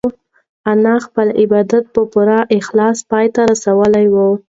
انا خپل عبادت په پوره اخلاص پای ته ورساوه.